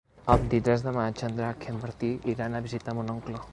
El vint-i-tres de maig en Drac i en Martí iran a visitar mon oncle.